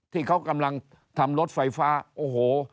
ที่เขากำลังทำรถไฟฟ้าโอ้โห